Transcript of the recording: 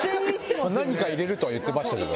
「何か入れる」とは言ってたけど。